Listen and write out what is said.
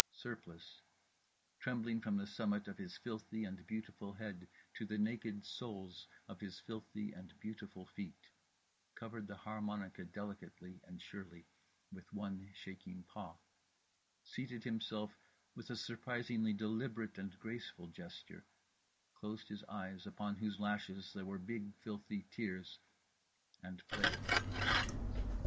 Surplice, trembling from the summit of his filthy and beautiful head to the naked soles of his filthy and beautiful feet, covered the harmonica delicately and surely with one shaking paw; seated himself with a surprisingly deliberate and graceful gesture; closed his eyes, upon whose lashes there were big filthy tears … and played….